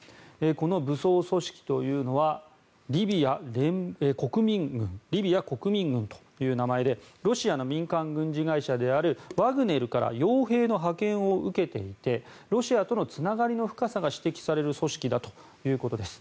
この武装組織というのはリビア国民軍という名前でロシアの民間軍事会社であるワグネルから傭兵の派遣を受けていてロシアとのつながりの深さが指摘される組織だということです。